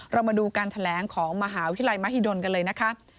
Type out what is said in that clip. เรามาดูการแถลงของมหาวิทยาลัยมหิดลกันเลยนะคะ